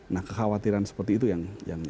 nah kekhawatiran seperti itu yang